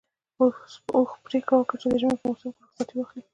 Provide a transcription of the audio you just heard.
اوښ پرېکړه وکړه چې د ژمي په موسم کې رخصتي واخلي.